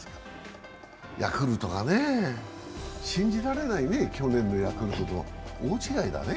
ヤクルトがね信じられないね、去年のヤクルトと大違いだね。